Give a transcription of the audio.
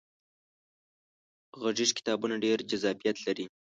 غږیز کتابونه ډیر جذابیت لري.